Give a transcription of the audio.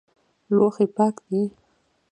لوښي پاک دي؟